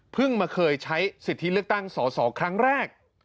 มาเคยใช้สิทธิเลือกตั้งสอสอครั้งแรก